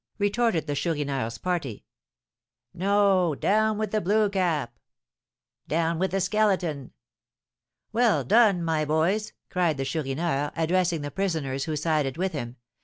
retorted the Chourineur's party. "No, down with the Blue Cap!" "Down with the Skeleton!" "Well done, my boys!" cried the Chourineur, addressing the prisoners who sided with him.